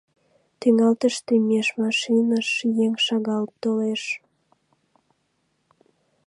Тӱҥалтыште меж машиныш еҥ шагал толеш.